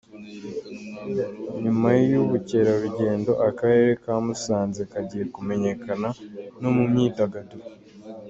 Nyuma y’ubukerarugendo, akarere Kamusanze kagiye kumenyekana no mu myidagaduro